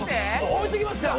置いてきますから。